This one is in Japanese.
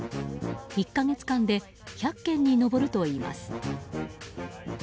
１か月間で１００件に上るといいます。